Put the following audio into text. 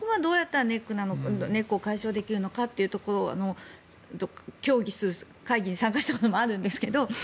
そこがどうやったらネックを解消できるのかを協議する会議に参加したこともあるんですけど。